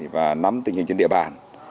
và nắm tình hình trên địa bàn